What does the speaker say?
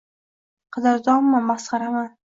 Qadrdonmi, masxarami?